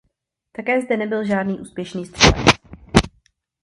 Také zde nebyl žádný úspěšnější střelec.